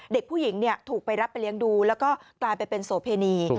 เด็กผู้หญิงถูกไปรับไปเลี้ยงดูแล้วก็กลายไปเป็นโสเพณี